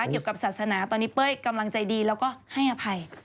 เกี่ยวกับศาสนาตอนนี้เป้ยกำลังใจดีแล้วก็ให้อภัย